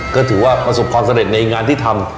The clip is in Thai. ก็ถือว่าประสบความสำเร็จในงานที่ทำ